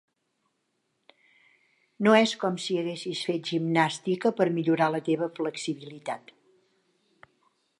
No és com si haguessis fet gimnàstica per millorar la teva flexibilitat.